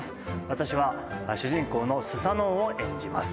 私は、主人公のスサノオを演じます。